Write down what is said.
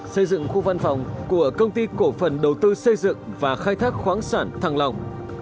xây dựng khu văn phòng của công ty cổ phần đầu tư xây dựng và khai thác khoáng sản thăng long